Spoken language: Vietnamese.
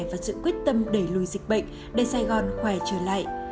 và sự quyết tâm đẩy lùi dịch bệnh để sài gòn khỏe trở lại